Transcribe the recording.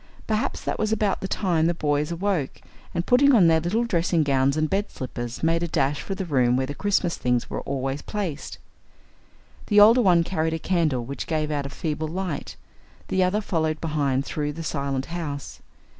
Perhaps that was about the time the tiny boys awoke, and, putting on their little dressing gowns and bed slippers, made a dash for the room where the Christmas things were always placed. The older one carried a candle which gave out a feeble light. The other followed behind through the silent house.